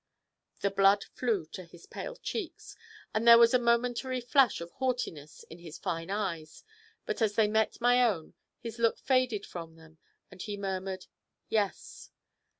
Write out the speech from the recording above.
The blood flew to his pale cheeks, and there was a momentary flash of haughtiness in his fine eyes, but as they met my own, this look faded from them and he murmured 'Yes.'